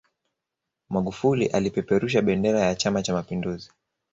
magufuli alipeperusha bendera ya chama cha mapinduzi